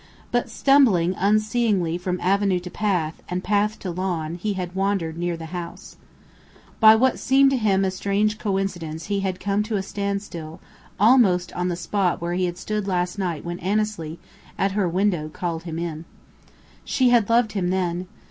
But stumbling unseeingly from avenue to path, and path to lawn, he had wandered near the house. By what seemed to him a strange coincidence he had come to a standstill almost on the spot where he had stood last night when Annesley, at her window, called him in. She had loved him then!